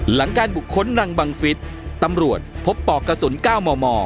หลังการบุคคลนางบังฟิศตำรวจพบปอกกระสุน๙มม